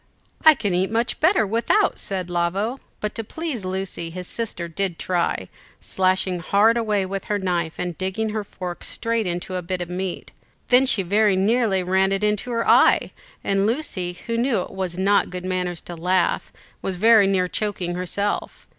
"I can eat much better without," said Lavo, but to please Lucy his sister did try; slashing hard away with her knife, and digging her fork straight into a bit of meat. Then she very nearly ran it into her eye, and Lucy, who knew it was not good manners to laugh, was very near choking herself.